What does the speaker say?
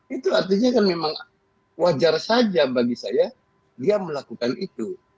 itu artinya kan memang wajar saja bagi saya dia melakukan itu